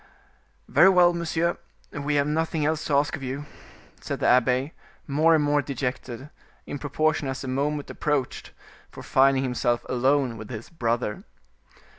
"Very well, monsieur, we have nothing else to ask of you," said the abbe, more and more dejected, in proportion as the moment approached for finding himself alone with his brother.